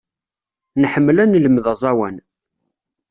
Nḥemmel ad nelmed aẓawan.